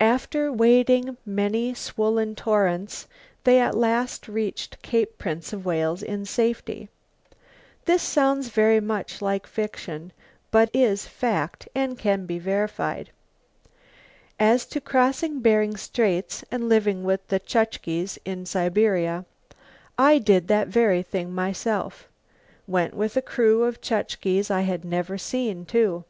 After wading many swollen torrents, they at last reached Cape Prince of Wales in safety. This sounds very much like fiction but is fact and can be verified. As to crossing Bering Straits and living with the Chukches in Siberia. I did that very thing myself went with a crew of Chukches I had never seen, too.